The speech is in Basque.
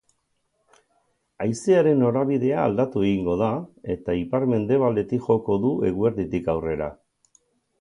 Haizearen norabidea aldatu egingo da eta ipar-mendebaldetik joko du eguerditik aurrera.